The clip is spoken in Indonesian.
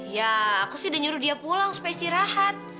ya aku sih udah nyuruh dia pulang supaya istirahat